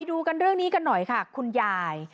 ดูกันเรื่องนี้กันหน่อยค่ะคุณยาย